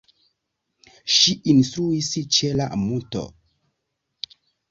Ŝi instruis ĉe la "Mt.